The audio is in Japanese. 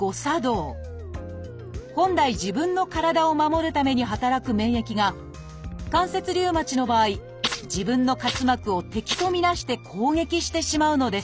本来自分の体を守るために働く免疫が関節リウマチの場合自分の滑膜を敵と見なして攻撃してしまうのです